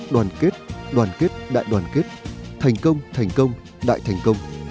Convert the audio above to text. đoàn kết đoàn kết đại đoàn kết thành công thành công đại thành công